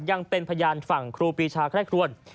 ยังเป็นพยานฝั่งครูปีชาใคร่ครวน